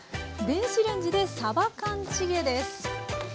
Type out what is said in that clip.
電子レンジでさば缶チゲです。